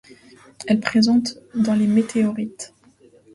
Elle est présente dans les météorites.